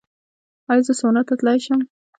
ایا زه سونا ته تلی شم؟